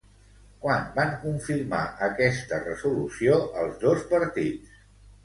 Quan van confirmar aquesta resolució els dos partits?